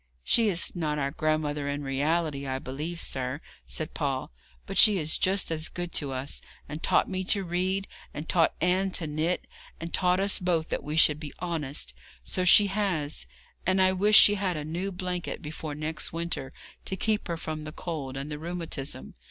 'She is not our grandmother in reality, I believe sir,' said Paul; 'but she is just as good to us, and taught me to read, and taught Anne to knit, and taught us both that we should be honest so she has, and I wish she had a new blanket before next winter to keep her from the cold and the rheumatism.